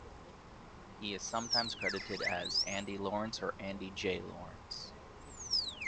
He is sometimes credited as Andy Lawrence or Andy J. Lawrence.